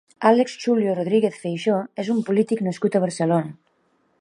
Alberte Xulio Rodríguez Feixoo és un polític nascut a Barcelona.